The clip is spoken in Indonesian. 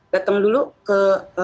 datang dulu ke